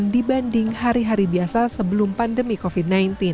dibanding hari hari biasa sebelum pandemi covid sembilan belas